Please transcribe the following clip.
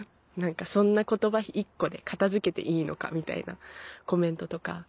「そんな言葉１個で片付けていいのか」みたいなコメントとか。